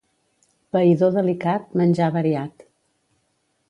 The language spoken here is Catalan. Païdor delicat, menjar variat.